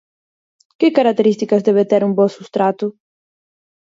Que características debe ter un bo substrato?